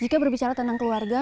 jika berbicara tentang keluarga